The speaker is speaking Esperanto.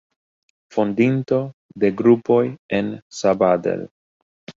Fondinto de grupoj en Sabadell.